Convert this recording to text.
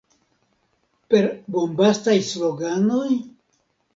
Per bombastaj sloganoj?